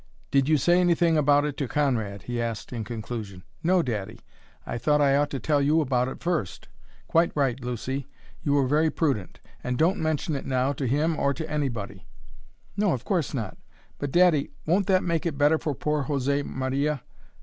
"Did you say anything about it to Conrad?" he asked in conclusion. "No, daddy; I thought I ought to tell you about it first." "Quite right, Lucy. You were very prudent. And don't mention it now, to him or to anybody." "No, of course not. But, daddy, won't that make it better for poor José Maria?